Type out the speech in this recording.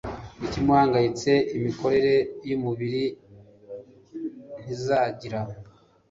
ikimuhangayitse, imikorere y’umubiri ntizagira